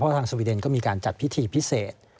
ทางสวีเดนก็มีการจัดพิธีพิเศษ